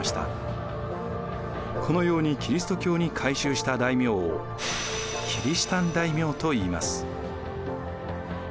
このようにキリスト教に改宗した大名をキリシタン大名といいます。